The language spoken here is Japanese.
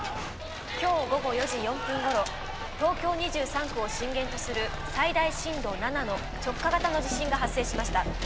今日午後４時４分ごろ東京２３区を震源とする最大震度７の直下型の地震が発生しました。